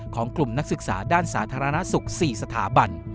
ของกลุ่มนักศึกษาด้านสาธารณสุข๔สถาบัน